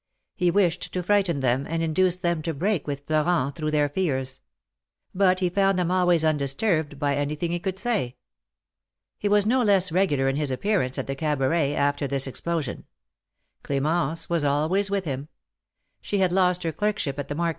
He wished to frighten them, and induce them to break with Florent, through their fears. But he found them always undisturbed by anything he could say. He was no less regular in his appearance at the Cabaret, after this explosion. Cl^mence was always with him. She had lost her clerkship at the market.